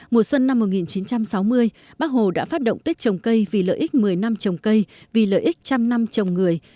mùa xuân năm một nghìn chín trăm sáu mươi bác hồ đã phát động tết trồng cây vì lợi ích một mươi năm trồng cây vì lợi ích trăm năm trồng người